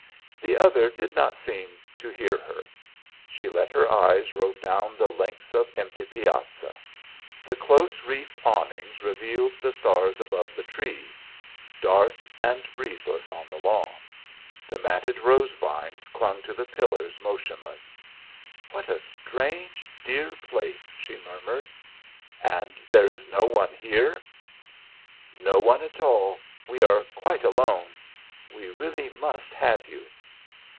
The other did not seem to hear her. She let her eyes rove down the lengths of empty piazza. The close reefed awnings revealed the stars above the trees, dark and breezeless on the lawn. The matted rose vines clung to the pillars motionless. "What a strange, dear place!" she murmured. "And there is no one here?" "No one at all. We are quite alone. We really must have you."